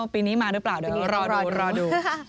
อ๋อปีนี้มาหรือเปล่าเดี๋ยวเรารอดูรอดู